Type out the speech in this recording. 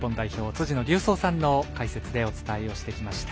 辻野隆三さんの解説でお伝えをしてきました。